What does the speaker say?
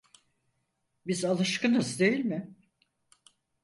Biz alışkınız değil mi?